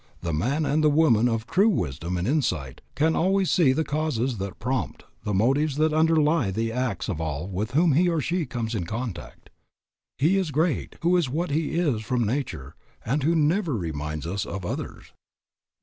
The man and the woman of true wisdom and insight can always see the causes that prompt, the motives that underlie the acts of all with whom he or she comes in contact. "He is great who is what he is from nature and who never reminds us of others."